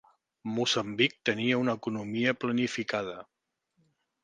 Moçambic tenia una economia planificada.